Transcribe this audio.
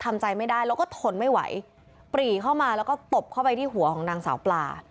ทำใจไม่ได้แล้วก็ทนไม่ไหวปรีเข้ามาแล้วก็ตบเข้าไปที่หัวของนางสาวปลา